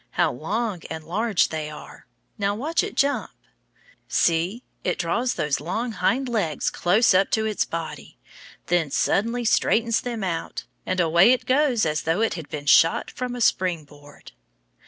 How long and large they are! Now watch it jump. See! It draws those long hind legs close up to its body, then suddenly straightens them out and away it goes as though it had been shot from a spring board.